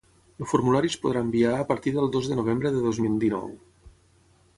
El formulari es podrà enviar a partir del dos de novembre de dos mil dinou.